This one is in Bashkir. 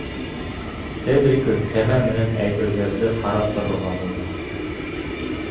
— Педрико кәмә менән әйберҙәрҙе ҡарап торорға булды.